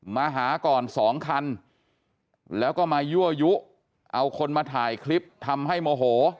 มาหาก่อนสองคันแล้วก็มายั่วยุเอาคนมาถ่ายคลิปทำให้โมโห